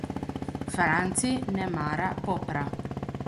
Franci ne mara popra.